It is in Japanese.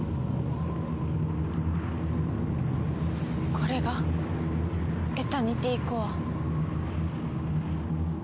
これがエタニティコア。